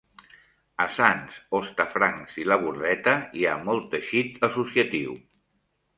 A Sants, Hostafrancs i la Bordeta hi ha molt teixit associatiu.